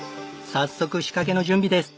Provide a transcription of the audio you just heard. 早速仕掛けの準備です。